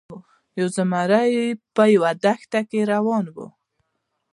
یو زمری په یوه دښته کې روان و.